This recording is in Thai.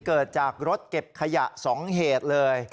เกิดจากรถเก็บขยะ๒เหตุเลย